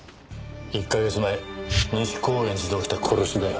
１カ月前西高円寺で起きた殺しだよ。